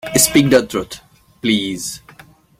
Speak the truth, please!